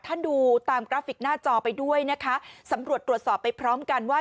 ดูตามกราฟิกหน้าจอไปด้วยนะคะสำรวจตรวจสอบไปพร้อมกันว่า